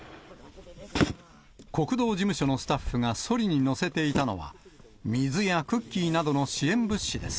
国道事務所のスタッフがそりに乗せていたのは、水やクッキーなどの支援物資です。